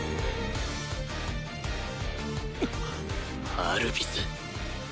・アルビス。